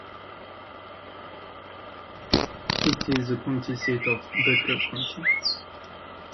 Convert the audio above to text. It is the county seat of Butler County.